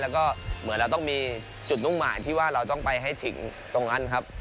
แล้วก็เหมือนเราต้องมีจุดมุ่งหมายที่ว่าเราต้องไปให้ถึงตรงนั้นครับ